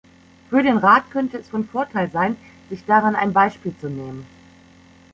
Für den Rat könnte es von Vorteil sein, sich daran ein Beispiel zu nehmen.